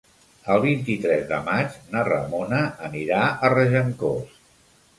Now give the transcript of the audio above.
El vint-i-tres de maig na Ramona anirà a Regencós.